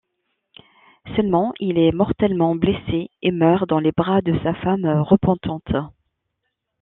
Seulement il est mortellement blessé et meurt dans les bras de sa femme repentante.